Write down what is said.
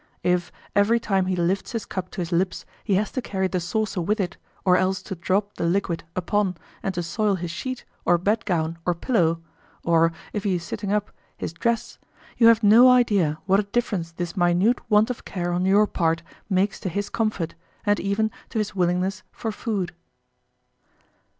If, every time he lifts his cup to his lips, he has to carry the saucer with it, or else to drop the liquid upon and to soil his sheet, or bedgown, or pillow, or, if he is sitting up, his dress, you have no idea what a difference this minute want of care on your part makes to his comfort, and even to his willingness for food."